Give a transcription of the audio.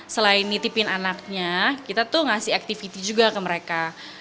selain nitipin anaknya kita tuh ngasih activity juga ke mereka